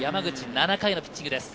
７回のピッチングです。